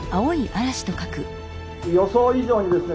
予想以上にですね